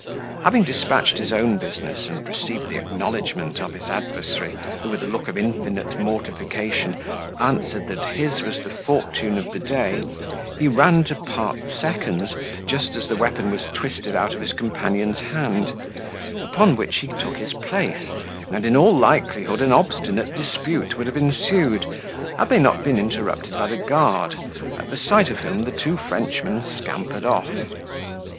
Having despatched his own business, and received the acknowledgment of his adversary who, with a look of infinite mortification, answered, that his was the fortune of the day, he ran to part the seconds, just as the weapon was twisted out of his companion's hand: upon which he took his place; and, in all likelihood, an obstinate dispute would have ensued, had they not been interrupted by the guard, at sight of whom the two Frenchmen scampered off.